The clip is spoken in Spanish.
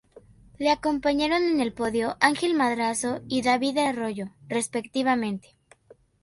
Le acompañaron en el podio Ángel Madrazo y David Arroyo, respectivamente.